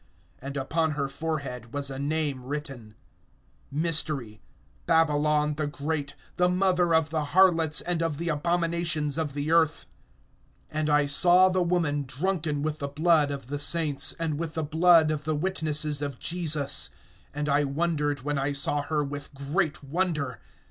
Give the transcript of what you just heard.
(5)And upon her forehead was a name written: MYSTERY, BABYLON THE GREAT, THE MOTHER OF THE HARLOTS AND OF THE ABOMINATIONS OF THE EARTH. (6)And I saw the woman drunken with the blood of the saints, and with the blood of the witnesses of Jesus; and I wondered when I saw her, with great wonder.